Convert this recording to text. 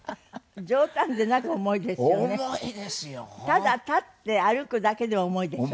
ただ立って歩くだけでも重いですよね。